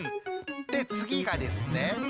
でつぎがですね。